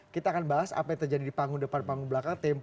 kita akan bahas apa yang terjadi di panggung depan panggung belakang